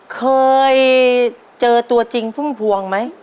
เคยเจอตัวจริงพุ่มพวงไหม